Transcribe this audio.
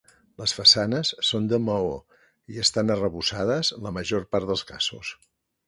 Les façanes són de maó i estan arrebossades la major part dels casos.